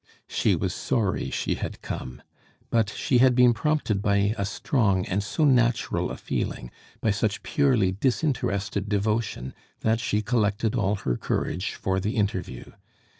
She was sorry she had come. But she had been prompted by a strong and so natural a feeling, by such purely disinterested devotion, that she collected all her courage for the interview.